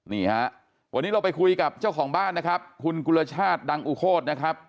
นี่ฮะวันนี้เราไปคุยกับเจ้าของบ้านนะครับคุณกุลชาติดังอุโคตรนะครับ